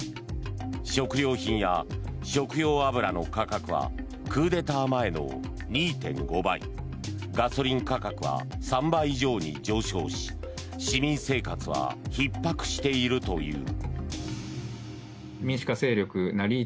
食料品や食用油の価格はクーデター前の２．５倍ガソリン価格は３倍以上に上昇し市民生活はひっ迫しているという。